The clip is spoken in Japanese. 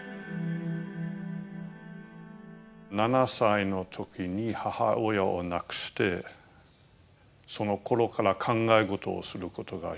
７歳の時に母親を亡くしてそのころから考え事をすることが非常に多くなったんですね。